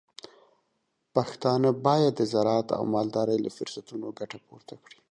پښتانه بايد د زراعت او مالدارۍ له فرصتونو ګټه پورته کړي.